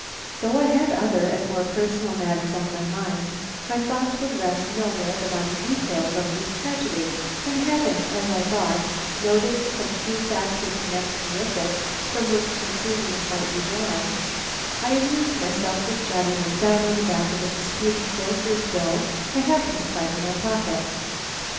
Though I had other and more personal matters on my mind, my thoughts would rest nowhere but on the details of this tragedy; and having, as I thought, noticed some few facts in connection with it, from which conclusions might be drawn, I amused myself with jotting them down on the back of a disputed grocer's bill I happened to find in my pocket.